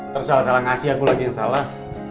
terus salah salah ngasih aku lagi yang salah